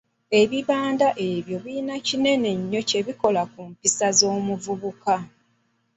Ebibanda ebyo birina kinene nnyo kyebikola ku mpisa z'omuvubuka.